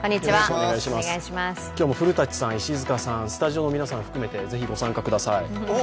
今日も古舘さん、石塚さん、スタジオの皆さん含めてぜひ御参加ください。